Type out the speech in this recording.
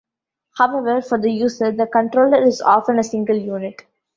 However, for the user, the controller is often a single unit.